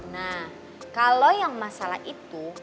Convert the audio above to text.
nah kalau yang masalah itu